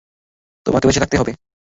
তোমাকে বেঁচে থাকতে হবে!